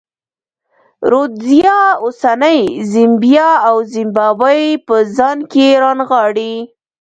رودزیا اوسنۍ زیمبیا او زیمبابوې په ځان کې رانغاړي.